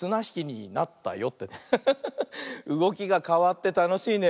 うごきがかわってたのしいね。